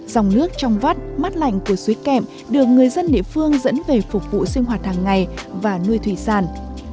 dòng nước trong vắt mắt lạnh của suối kẹm được người dân địa phương dẫn về phục vụ sinh hoạt hàng ngày và nuôi thủy sản